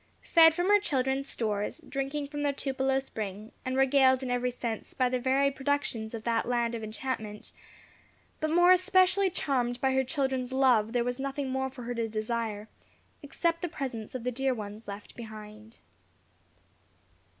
Fed from her children's stores, drinking from their tupelo spring, and regaled in every sense by the varied productions of that land of enchantment, but more especially charmed by her children's love there was nothing more for her to desire, except the presence of the dear ones left behind.